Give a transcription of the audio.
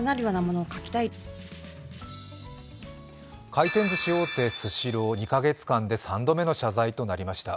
回転ずし大手・スシロー、２カ月間で３度目の謝罪となりました。